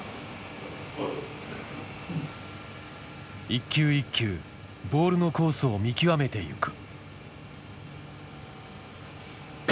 一球一球ボールのコースを見極めていく。